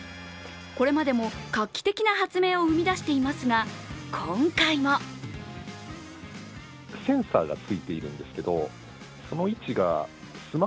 これまでも画期的な発明を生み出していますが今回も構想１年、開発期間１か月。